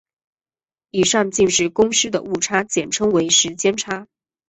以上近似公式的误差称为时间差。